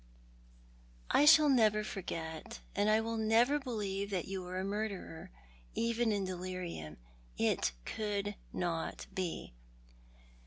" I shall never forget, and I will never believe that you were a murderer — even in delirium. It could not be."